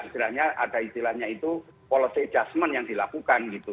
istilahnya ada istilahnya itu policy adjustment yang dilakukan gitu